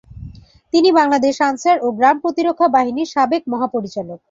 তিনি বাংলাদেশ আনসার ও গ্রাম প্রতিরক্ষা বাহিনীর সাবেক মহাপরিচালক।